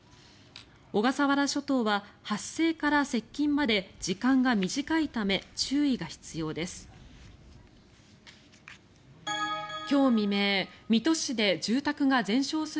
小笠原諸島は発生から接近まで時間が短いため注意が必要です。